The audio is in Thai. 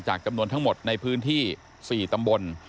จำนวนทั้งหมดในพื้นที่๔ตำบล